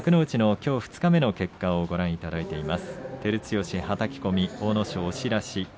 きょう二日目の結果をご覧いただきます。